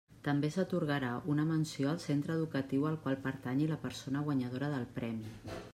També s'atorgarà una menció al centre educatiu al qual pertanyi la persona guanyadora del Premi.